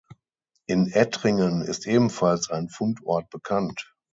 In Ettringen ist ebenfalls ein Fundort bekannt.